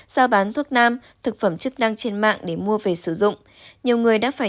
sao bán thuốc nam thực phẩm chức năng trên mạng để mua về sử dụng